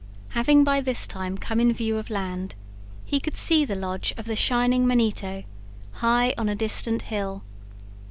Having by this time come in view of land, he could see the lodge of the Shining Manito, high upon a distant hill.